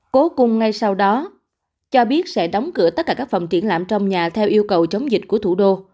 cố cung ngay sau đó cho biết sẽ đóng cửa tất cả các phòng triển lãm trong nhà theo yêu cầu chống dịch của thủ đô